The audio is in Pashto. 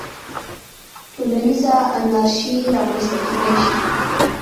ټولنیزه انارشي رامنځته کېدای شي.